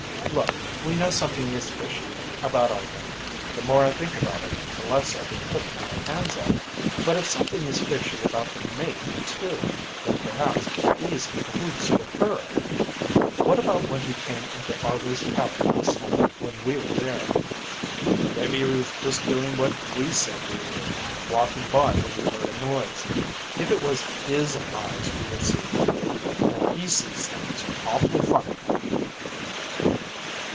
"Look, we know something is fishy about Argo. The more I think about it, the less I can put my hands on it. But if something is fishy about the mate too, then perhaps he's in cahoots with her. What about when he came into Argo's cabin last night when we were there?" "Maybe he was just doing what we said we were; walking by when he heard a noise. If it was his eyes we were seeing through, then he sees things awfully funny, then."